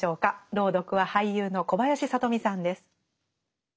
朗読は俳優の小林聡美さんです。